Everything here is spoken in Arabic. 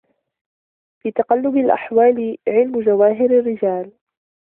في تقلب الأحوال علم جواهر الرجال